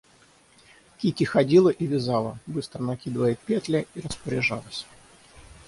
Кити ходила и вязала, быстро накидывая петли, и распоряжалась.